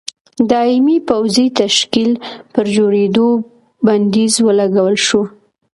دایمي پوځي تشکیل پر جوړېدو بندیز ولګول شو.